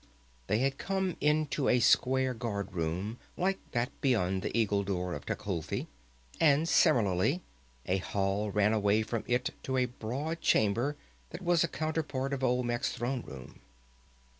They had come into a square guardroom, like that behind the Eagle Door of Tecuhltli, and, similarly, a hall ran away from it to a broad chamber that was a counterpart of Olmec's throne room.